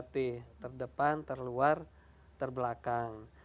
terdepan terluar terbelakang